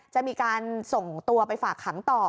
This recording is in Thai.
จะมีการส่งตัวไปฝากขังต่อ